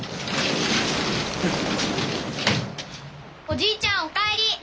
おじいちゃんお帰り。